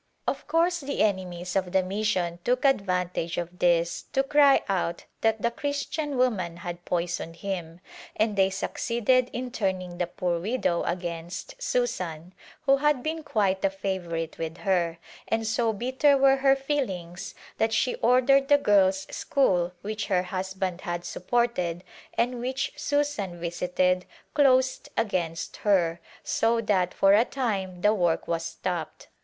Of course the ene mies of the mission took advantage of this to cry out that the Christian woman had poisoned him, and they succeeded in turning the poor widow against Susan, who had been quite a favorite with her, and so bitter were her feelings that she ordered the girls' school which her husband had supported, and which Susan visited, closed against her, so that for a time the work was stopped.